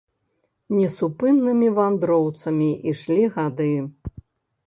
Несупыннымі вандроўцамі ішлі гады.